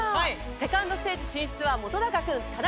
セカンドステージ進出は本君田仲